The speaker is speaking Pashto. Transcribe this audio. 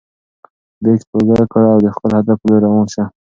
بیک په اوږه کړه او د خپل هدف په لور روان شه.